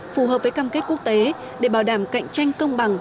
phù hợp với cam kết quốc tế để bảo đảm cạnh tranh công bằng